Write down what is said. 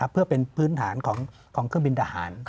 เพื่อเป็นพื้นฐานของเครื่องบินทหาร